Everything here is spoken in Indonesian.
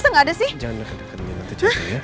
jangan deket deket jangan tercoba ya